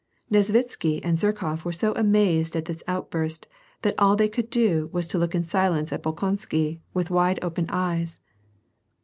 Nesvitsky and Zherkof were so amazed at this outburst that all they could do was to look in silence at Bolkonsky, with wide open eyes.